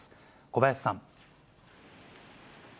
小林さん。